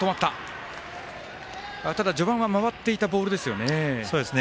ただ、序盤は回っていたボールですよね。